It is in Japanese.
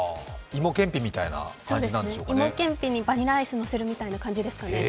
芋けんぴにバニラアイスをのせるみたいな感じですかね。